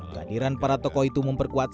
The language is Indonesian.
kehadiran para tokoh itu memperkuat